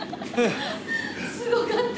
すごかった。